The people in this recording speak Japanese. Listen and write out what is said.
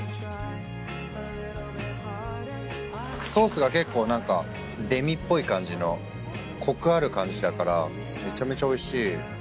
ソースが結構何かデミっぽい感じのコクある感じだからめちゃめちゃおいしい。